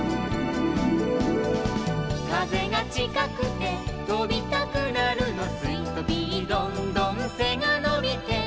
「かぜがちかくてとびたくなるの」「スイートピーどんどんせがのびて」